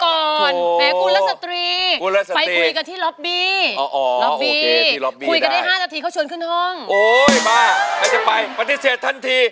โอ้ยบ้าไม่จะไปปฏิเสธทันที